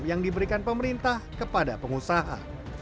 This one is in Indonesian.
yang diberikan pemerintah kepada pengusaha